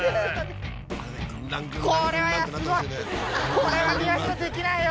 これは宮下できないよ